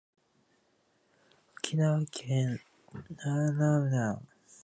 沖縄県宜野湾市